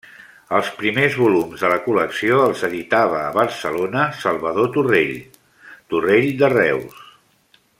Els primers volums de la col·lecció els editava a Barcelona Salvador Torrell, Torrell de Reus.